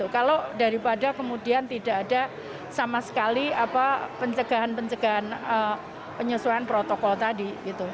kalau daripada kemudian tidak ada sama sekali pencegahan pencegahan penyesuaian protokol tadi